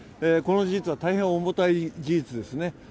この事実は大変重たい事実ですね。